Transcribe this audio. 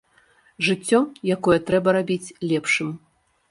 Жыццё, якое трэба рабіць лепшым.